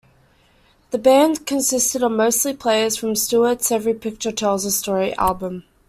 The band consisted of mostly players from Stewart's "Every Picture Tells a Story" album.